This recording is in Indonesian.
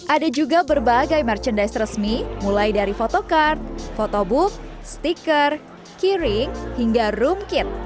ada juga berbagai merchandise resmi mulai dari fotocard photobook sticker keyring hingga room kit